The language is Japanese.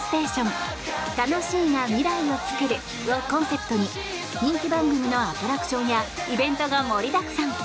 「たのしいがミライをつくる」をコンセプトに人気番組のアトラクションやイベントが盛りだくさん！